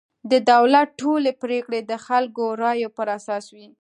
د دولت ټولې پرېکړې د خلکو رایو پر اساس وي.